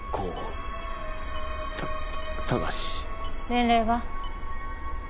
年齢は？